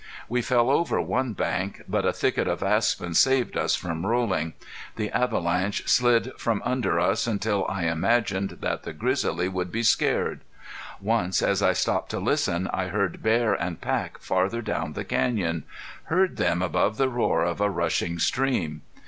We fell over one bank, but a thicket of aspens saved us from rolling. The avalanches slid from under us until I imagined that the grizzly would be scared. Once as I stopped to listen I heard bear and pack farther down the canyon heard them above the roar of a rushing stream.